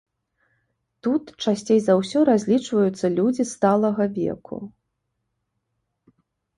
Тут часцей за ўсё разлічваюцца людзі сталага веку.